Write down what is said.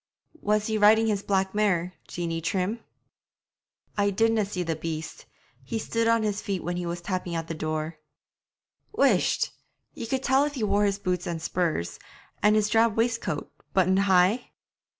'Was he riding his black mare, Jeanie Trim?' 'I didna see the beast. He stood on his feet when he was tapping at the door.' 'Whisht! Ye could tell if he wore his boots and spurs, an' his drab waistcoat, buttoned high?'